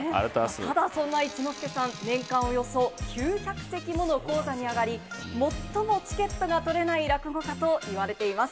ただそんな、一之輔さん、年間およそ９００席もの高座に上がり、最もチケットが取れない落語家といわれています。